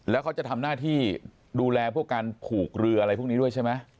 แล้วเขาจะทำหน้าที่ดูแลพวกการผูกเรืออะไรพวกนี้ด้วยใช่ไหม